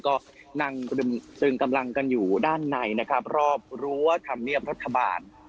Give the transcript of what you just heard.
ก็นั่งตึงกำลังกันอยู่ด้านในนะครับรอบรั้วธรรมเนียบรัฐบาล